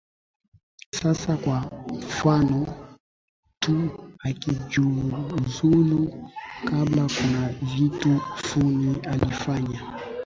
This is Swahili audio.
sasa kwa mfano mtu akijiuzulu kabla kuna vitu funny alifanya